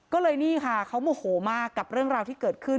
ก็เลยนี่ค่ะเขาโมโหมากกับเรื่องราวที่เกิดขึ้น